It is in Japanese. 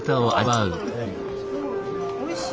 おいしい！